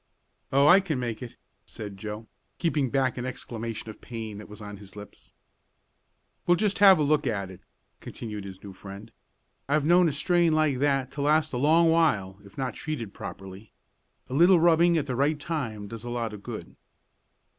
"Oh, I can make it," said Joe, keeping back an exclamation of pain that was on his lips. "We'll just have a look at it," continued his new friend. "I've known a strain like that to last a long while if not treated properly. A little rubbing at the right time does a lot of good."